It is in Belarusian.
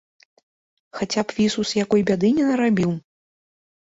Хаця б вісус якой бяды не нарабіў!